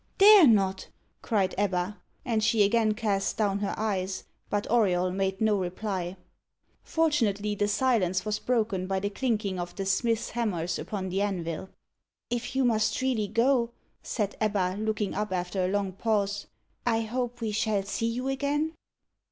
"Dare not!" cried Ebba. And she again cast down her eyes; but Auriol made no reply. Fortunately the silence was broken by the clinking of the smiths' hammers upon the anvil. "If you must really go," said Ebba, looking up, after a long pause, "I hope we shall see you again?"